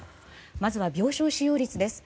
まずは病床使用率です。